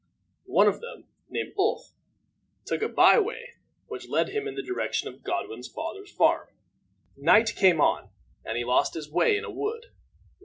One of them, named Ulf, took a by way, which led him in the direction of Godwin's father's farm. Night came on, and he lost his way in a wood.